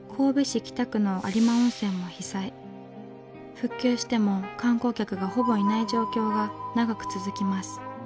復旧しても観光客がほぼいない状況が長く続きます。